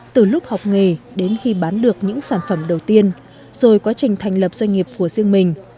từ lúc học nghề đến khi bán được những sản phẩm đầu tiên rồi quá trình thành lập doanh nghiệp của riêng mình